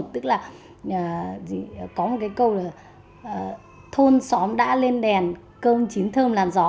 tức là có một cái câu là thôn xóm đã lên đèn cơm chín thơm làm gió